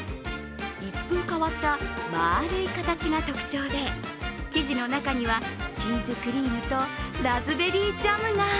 一風変わった丸い形が特徴で、生地の中にはチーズクリームとラズベリージャムが。